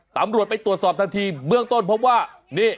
ตำรวจไปตรวจสอบทันทีเบื้องต้นพบว่านี่